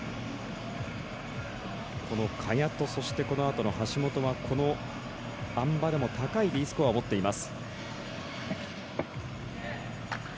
この萱とそして、このあとの橋本はこのあん馬でも高いＤスコアを持っています。